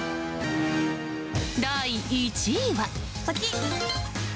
第１位は。